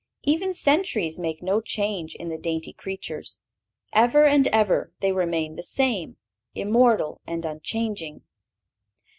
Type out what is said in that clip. Even centuries make no change in the dainty creatures; ever and ever they remain the same, immortal and unchanging.